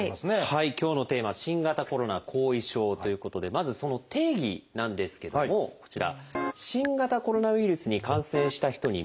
はい今日のテーマ「新型コロナ後遺症」ということでまずその定義なんですけどもこちら。